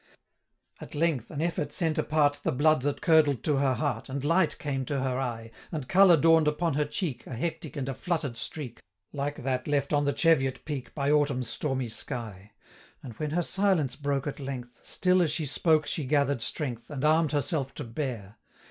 At length, an effort sent apart The blood that curdled to her heart, And light came to her eye, And colour dawn'd upon her cheek, 485 A hectic and a flutter'd streak, Like that left on the Cheviot peak, By Autumn's stormy sky; And when her silence broke at length, Still as she spoke she gather'd strength, 490 And arm'd herself to bear.